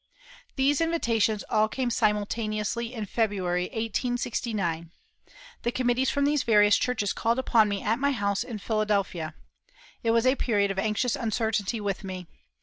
These invitations all came simultaneously in February, 1869. The committees from these various churches called upon me at my house in Philadelphia. It was a period of anxious uncertainty with me.